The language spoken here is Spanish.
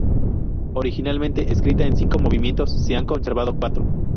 Originariamente escrita en cinco movimientos, se han conservado cuatro.